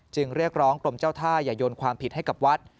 เรียกร้องกรมเจ้าท่าอย่าโยนความผิดให้กับวัด